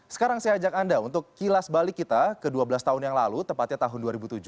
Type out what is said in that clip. sekarang saya ajak anda untuk kilas balik kita ke dua belas tahun yang lalu tepatnya tahun dua ribu tujuh